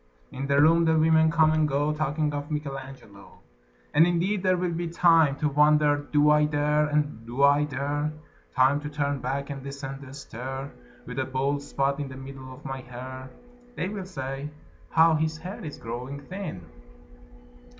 In the room the women come and go Talking of Michelangelo. And indeed there will be time To wonder, "Do I dare?" and, "Do I dare?" Time to turn back and descend the stair, With a bald spot in the middle of my hair [They will say: "How his hair is growing thin!"